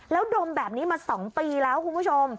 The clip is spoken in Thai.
แล้วดมแบบนี้มา๒ปีแล้วคุณผู้ชม